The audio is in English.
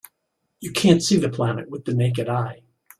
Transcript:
You can't see the planet with the naked eye.